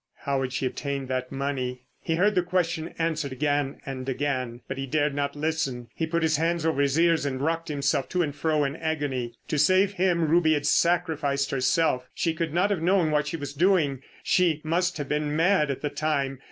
How had she obtained that money? He heard the question answered again and again, but he dared not listen. He put his hands over his ears and rocked himself to and fro in agony. To save him Ruby had sacrificed herself. She could not have known what she was doing. She must have been mad at the time....